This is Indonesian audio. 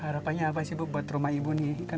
harapannya apa bu untuk rumah ibu